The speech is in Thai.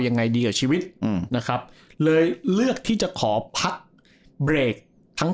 ยังไงดีกับชีวิตอืมนะครับเลยเลือกที่จะขอพักเบรกทั้ง